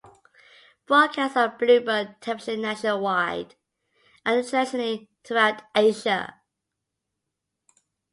Broadcast on Bloomberg Television nationwide and internationally throughout Asia.